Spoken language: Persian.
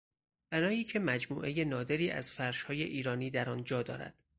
بنایی که مجموعهی نادری از فرشهای ایرانی در آن جا دارد